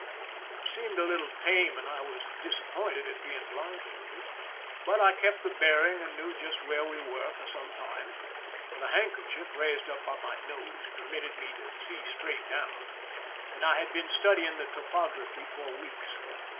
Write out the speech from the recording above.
It seemed a little tame, and I was disappointed 291 THE SINKING OF THE "MERRIMAC" at being blindfolded; but I kept the bearing and knew just where we were for some time, for the handkerchief, raised up by my nose, permitted me to see straight down, and I had been studying the topography for weeks.